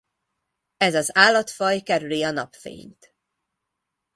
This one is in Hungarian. Ez az állatfaj kerüli a napfényt.